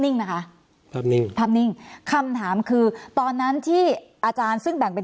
่งนะคะภาพนิ่งภาพนิ่งคำถามคือตอนนั้นที่อาจารย์ซึ่งแบ่งเป็น